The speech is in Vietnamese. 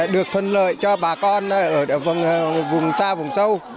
được thuận lợi cho bà con ở vùng xa vùng sâu